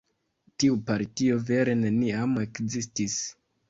Tiu partio vere neniam ekzistis.